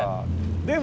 でも。